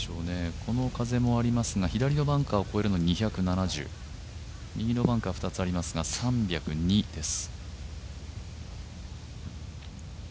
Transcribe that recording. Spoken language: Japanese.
この風もありますが左のバンカーを越えるのに２７０、右のバンカー、２つありますが３０２です。